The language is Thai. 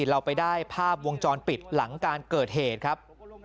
เราไปได้ภาพวงจรปิดหลังการเกิดเหตุครับ